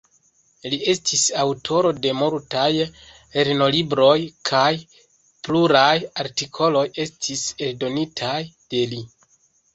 Li estis aŭtoro de multaj lernolibroj kaj pluraj artikoloj estis eldonitaj de li.